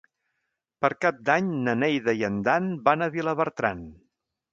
Per Cap d'Any na Neida i en Dan van a Vilabertran.